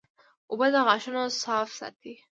اوبه د غاښونو صفا ساتي